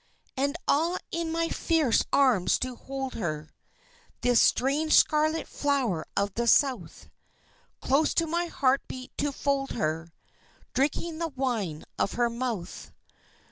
And ah, in my fierce arms to hold her This strange scarlet flower of the South. Close to my heart beat to fold her Drinking the wine of her mouth!